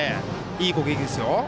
いい攻撃ですよ。